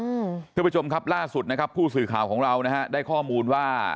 ท่านผู้ชมครับล่าสุดนะครับผู้สื่อข่าวของเรานะฮะได้ข้อมูลว่า